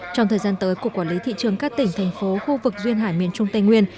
trong thời gian tới cục quản lý thị trường các tỉnh thành phố khu vực duyên hải miền trung tây nguyên